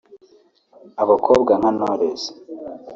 Abakobwa nka Knowless